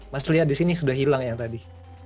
mas lihat disini sudah hilang yang tadi